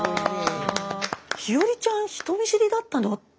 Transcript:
陽葵ちゃん人見知りだったのって。